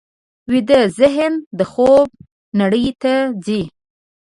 ویده ذهن د خوب نړۍ ته ځي